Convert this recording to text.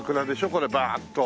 これバーッと。